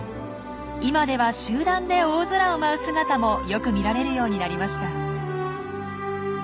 今では集団で大空を舞う姿もよく見られるようになりました。